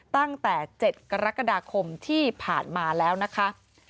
ตั้งแต่๗กรกฎาคมที่ผ่านมาแล้วนะคะ